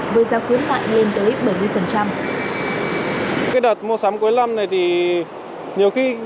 với giá khuyến mại lên tới bảy mươi